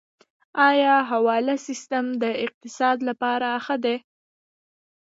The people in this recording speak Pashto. آیا حواله سیستم د اقتصاد لپاره ښه دی؟